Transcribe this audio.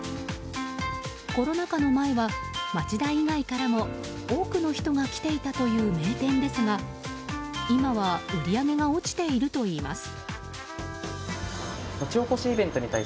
コロナ禍の前は町田以外からも多くの人が来ていたという名店ですが今は売り上げが落ちているといいます。